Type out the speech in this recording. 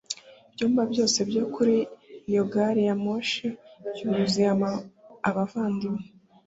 ibyumba byose byo kuri iyo gari ya moshi byuzuye abavandimwe